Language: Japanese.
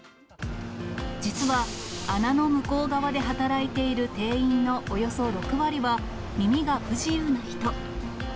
実は、穴の向こう側で働いている店員のおよそ６割は、耳が不自由な人。